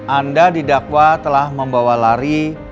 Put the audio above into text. anda didakwa telah membawa lari